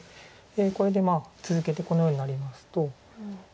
これで続けてこのようになりますと。